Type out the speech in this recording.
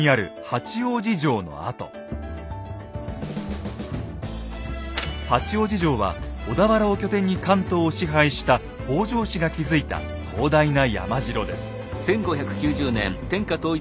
八王子城は小田原を拠点に関東を支配した北条氏が築いた広大な山城です。